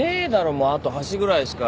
もうあと橋ぐらいしか。